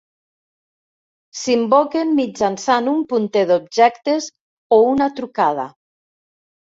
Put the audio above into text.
S'invoquen mitjançant un punter d'objectes o una trucada.